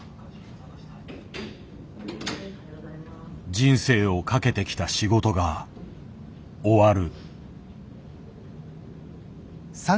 人生を懸けてきた仕事が終わる。